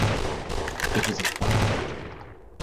It was a fire.